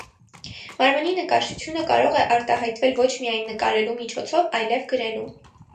Մարմնի նկարչությունը կարող է արտահայտվել ոչ միայն նկարելու միջոցով այլև գրելու։